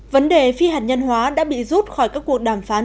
vấn đề phi hạt nhân hóa đã bị rút khỏi các cuộc đàm phán